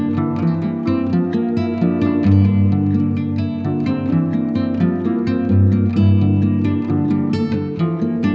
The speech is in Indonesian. jadi aku mengur battle saya sendiri